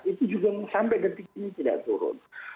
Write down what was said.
itu juga sampai detik ini tidak turun